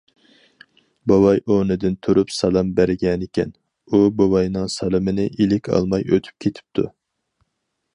بوۋاي ئورنىدىن تۇرۇپ سالام بەرگەنىكەن، ئۇ بوۋاينىڭ سالىمىنى ئىلىك ئالماي ئۆتۈپ كېتىپتۇ.